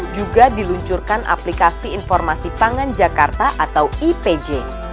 juga diluncurkan aplikasi informasi pangan jakarta atau ipj